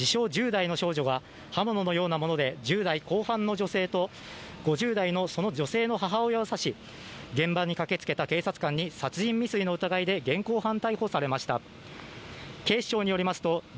・１０代の少女が刃物のようなもので１０代後半の女性と５０代のその女性の母親を刺し、現場に駆けつけた警察官に殺人未遂の疑いで現行犯逮捕されました。